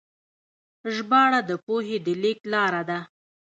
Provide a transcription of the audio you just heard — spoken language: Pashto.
ژباړه د پوهې د لیږد لاره ده.